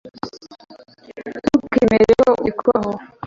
ntukemere ko ayikoraho